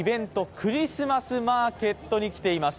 クリスマスマーケットに来ています。